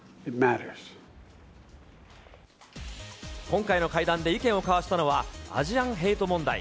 今回の会談で意見を交わしたのは、アジアン・ヘイト問題。